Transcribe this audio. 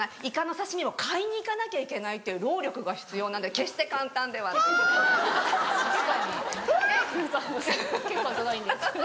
イカの刺し身を買いに行かなきゃいけないって労力が必要なんで決して簡単ではないです。